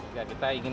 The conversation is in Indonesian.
kita ingin menyaksikan